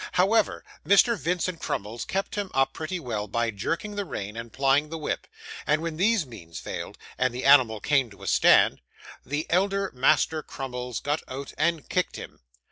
However, Mr. Vincent Crummles kept him up pretty well, by jerking the rein, and plying the whip; and when these means failed, and the animal came to a stand, the elder Master Crummles got out and kicked him.